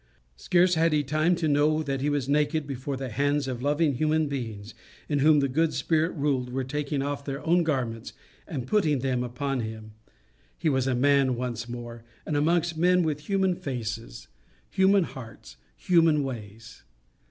Scarce had he time to know that he was naked, before the hands of loving human beings, in whom the good Spirit ruled, were taking off their own garments, and putting them upon him. He was a man once more, and amongst men with human faces, human hearts, human ways.